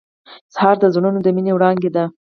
سهار د زړونو د مینې وړانګه ده.